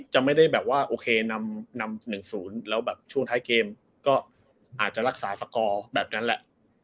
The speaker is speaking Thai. จะไม่ได้แบบว่าโอเคนำ๑๐แล้วแบบช่วงท้ายเกมก็อาจจะรักษาสกอร์แบบนั้นแหละ